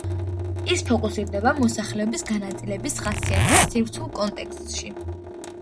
ის ფოკუსირდება მოსახლეობის განაწილების ხასიათზე სივრცულ კონტექსტში.